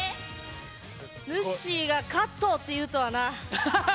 ぬっしーがカット！って言うとはな。